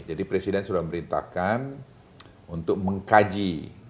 jadi presiden sudah memberitakan untuk mengkaji